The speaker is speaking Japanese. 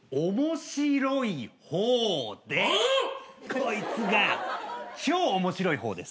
こいつが超面白い方です。